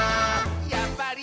「やっぱり！